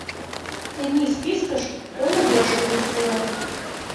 Тений спискыш коло еш угыч пурен.